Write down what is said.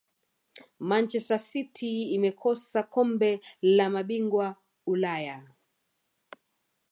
manchester city imekosa kombe la mabingwa ulaya